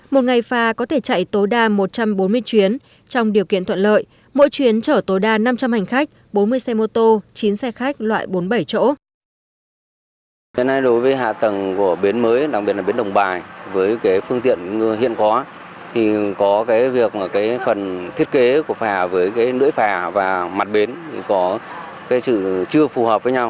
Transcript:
một ngày phà có thể chạy tối đa một trăm bốn mươi chuyến trong điều kiện thuận lợi mỗi chuyến chở tối đa năm trăm linh hành khách bốn mươi xe mô tô chín xe khách loại bốn mươi bảy chỗ